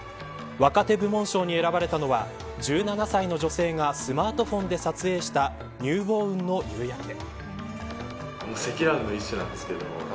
若手部門賞に選ばれたのは１７歳の女性がスマートフォンで撮影した乳房雲の夕焼け。